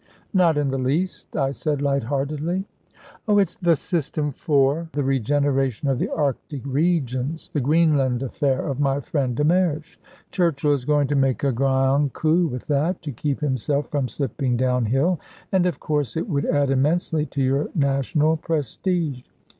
"Not in the least," I said, light heartedly. "Oh, it's the System for the Regeneration of the Arctic Regions the Greenland affair of my friend de Mersch. Churchill is going to make a grand coup with that to keep himself from slipping down hill, and, of course, it would add immensely to your national prestige.